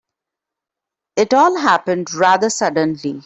It all happened rather suddenly.